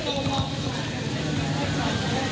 สวัสดีค่ะ